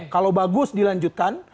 kalau bagus dilanjutkan